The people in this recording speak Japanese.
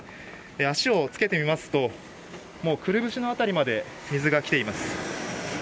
足をつけてみますとくるぶしの辺りまで水が来ています。